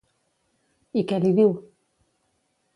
I què li diu?